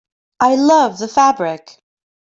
I love the fabric!